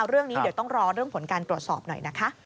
เรื่องนี้เดี๋ยวต้องรอเรื่องผลการตรวจสอบหน่อยนะคะ